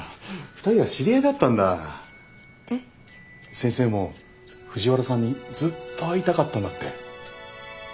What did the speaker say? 先生も藤原さんにずっと会いたかったんだって。